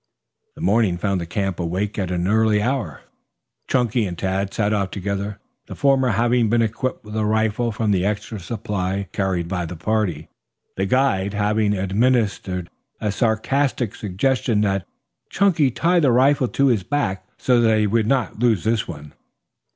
The morning found the camp awake at an early hour. Chunky and Tad set off together, the former having been equipped with a rifle from the extra supply carried by the party, the guide having administered a sarcastic suggestion that Chunky tie the rifle to his back so that he would not lose this one.